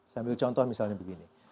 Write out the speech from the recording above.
saya ambil contoh misalnya begini